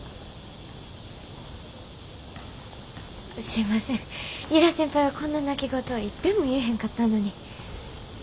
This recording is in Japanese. すいません由良先輩はこんな泣き言いっぺんも言えへんかったのに。